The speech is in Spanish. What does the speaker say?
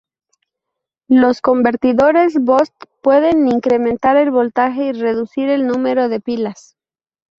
Los convertidores Boost pueden incrementar el voltaje y reducir el número de pilas.